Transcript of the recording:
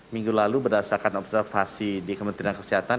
minggu lalu berdasarkan observasi di kementerian kesehatan